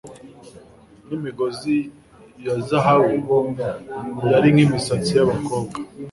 Nimigozi ya zahabu yari nkimisatsi yabakobwa